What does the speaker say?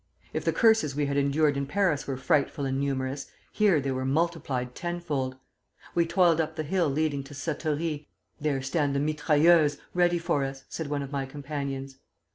If the curses we had endured in Paris were frightful and numerous, here they were multiplied tenfold. We toiled up the hill leading to Satory, through mud ankle deep. 'There stand the mitrailleuses, ready for us,' said one of my companions.